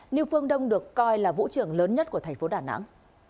niêu phương đông được coi là vũ trường lớn nhất của thành phố đà nẵng